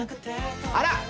あら！